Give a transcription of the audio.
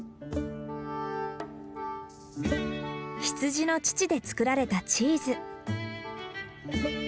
羊の乳で作られたチーズ。